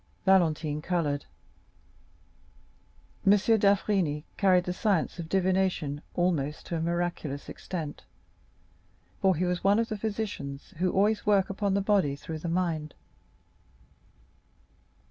Valentine colored. M. d'Avrigny carried the science of divination almost to a miraculous extent, for he was one of the physicians who always work upon the body through the mind.